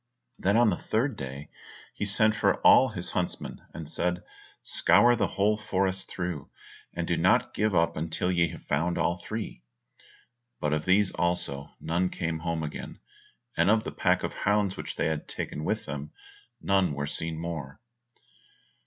Then on the third day, he sent for all his huntsmen, and said, "Scour the whole forest through, and do not give up until ye have found all three." But of these also, none came home again, and of the pack of hounds which they had taken with them, none were seen more.